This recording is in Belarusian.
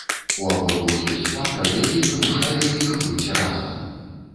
І ў абодвух ёсць фактар, які прымушае іх быць разам.